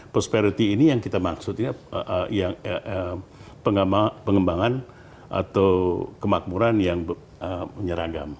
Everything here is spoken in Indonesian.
prosperity ini yang kita maksudnya pengembangan atau kemakmuran yang menyeragam